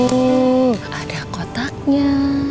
tuh ada kotaknya